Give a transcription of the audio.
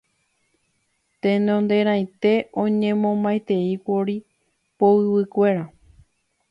Tenonderãite oñemomaiteíkuri poyvikuéra.